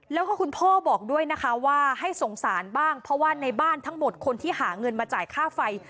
แล้วก็คุณพ่อบอกด้วยนะคะว่าให้สงสารบ้างเพราะว่าในบ้านทั้งหมดคนที่หาเงินมาจ่ายค่าไฟ